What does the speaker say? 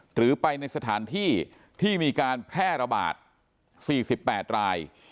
หรือไปในสถานที่ที่มีการแพร่ระบาด๔๘ราย